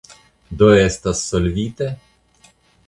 Do estas solvite?